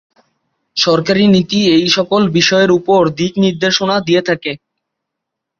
সরকারী নীতি এই সকল বিষয়ের উপর দিক নির্দেশনা দিয়ে থাকে।